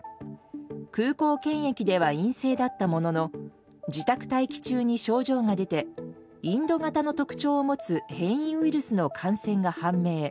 空港検疫では陰性だったものの自宅待機中に症状が出てインド型の特徴を持つ変異ウイルスの感染が判明。